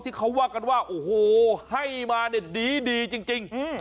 ที่เขาว่ากันว่าโอ้โหให้มาเนี่ยดีจริง